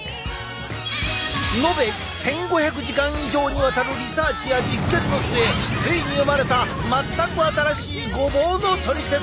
のべ１，５００時間以上にわたるリサーチや実験の末ついに生まれた全く新しいごぼうのトリセツ！